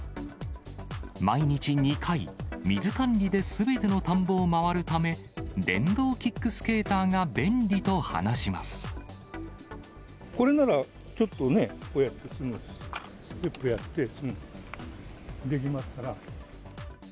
毎日２回、水管理ですべての田んぼを回るため、電動キックスケーターが便利これならちょっとね、こうやってすぐステップやって、すぐできますから。